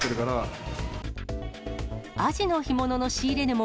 アジの干物の仕入れ値も、